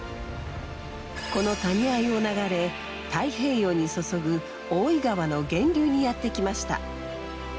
この谷あいを流れ太平洋に注ぐ大井川の源流にやって来ました。